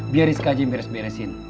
biar rizka aja yang beres beresin